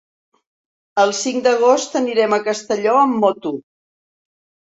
El cinc d'agost anirem a Castelló amb moto.